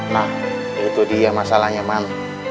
nah itu dia masalahnya man